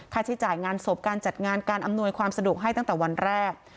ใช้จ่ายงานศพการจัดงานการอำนวยความสะดวกให้ตั้งแต่วันแรก